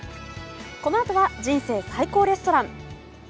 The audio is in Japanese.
このあとは、「人生最高レストラン」。